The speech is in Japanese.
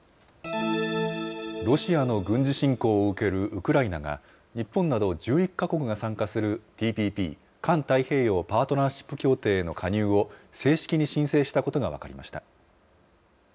ロシアの軍事侵攻を受けるウクライナが、日本など１１か国が参加するＴＰＰ・環太平洋パートナーシップ協定への加入を正式に申請したことが分かりました。